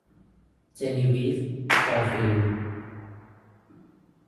เจนีวีฟ คอล์ฟิลด์